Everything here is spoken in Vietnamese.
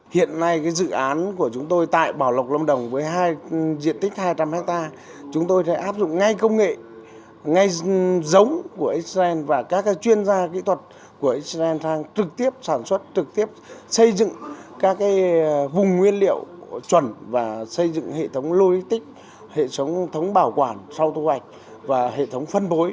hiện nay dự án của chúng tôi tại bảo lộc lâm đồng với diện tích hai trăm linh hectare chúng tôi sẽ áp dụng ngay công nghệ ngay giống của israel và các chuyên gia kỹ thuật của israel sang trực tiếp sản xuất trực tiếp xây dựng các vùng nguyên liệu chuẩn và xây dựng hệ thống lôi tích hệ thống bảo quản sau thu hoạch và hệ thống phân bối